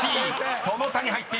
その他に入っています］